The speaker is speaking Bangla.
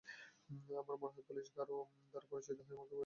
আমার মনে হয়, পুলিশ কারও দ্বারা প্ররোচিত হয়ে আমাকে গ্রেপ্তার করেছে।